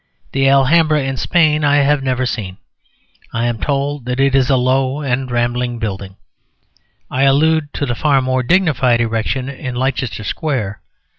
The Alhambra in Spain I have never seen; I am told that it is a low and rambling building; I allude to the far more dignified erection in Leicester Square.